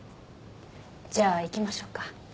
じゃあ行きましょうか。